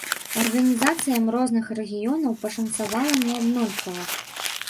Арганізацыям розных рэгіёнаў пашанцавала неаднолькава.